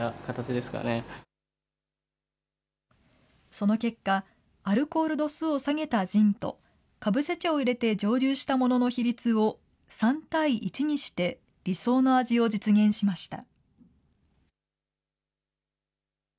その結果、アルコール度数を下げたジンと、かぶせ茶を入れて蒸留したものの比率を、３対１にして理想の味を実現しました。